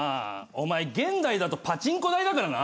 お前現代だとパチンコ台だからな。